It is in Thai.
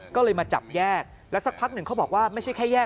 ก็เลยมาจับแยกแล้วสักพักหนึ่งเขาบอกว่าไม่ใช่แค่แยก